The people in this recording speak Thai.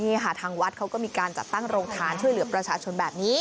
นี่ค่ะทางวัดเขาก็มีการจัดตั้งโรงทานช่วยเหลือประชาชนแบบนี้